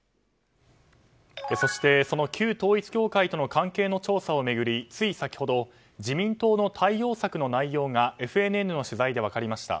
その旧統一教会との関係の調査を巡りつい先ほど自民党の対応策の内容がＦＮＮの取材で分かりました。